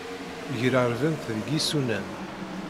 Grarbent deg yisunan.